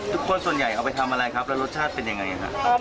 ส่วนใหญ่เอาไปทำอะไรครับแล้วรสชาติเป็นยังไงครับ